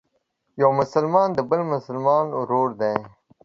یو مسلمان د بل مسلمان ورور دی.